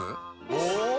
お！